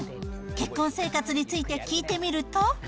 結婚生活について聞いてみると。